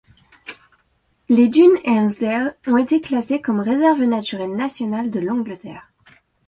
Les dunes Ainsdale ont été classées comme réserve naturelle nationale de l'Angleterre.